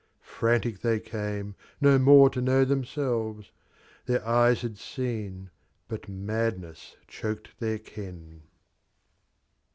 Frantic they came, no more to know IbemseJves; Their E;jes had seen. buL Madness choked thdr Ktn.